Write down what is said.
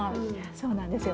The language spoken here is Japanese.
そうなんですよ。